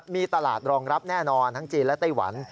มีตลาดรองรับแน่นอนทั้งจีนและไต้หวัน